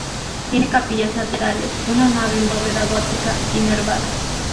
Tiene capillas laterales, una nave en bóveda gótica y nervada.